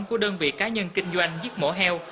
của đơn vị cá nhân kinh doanh giết mổ heo